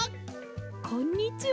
こんにちは。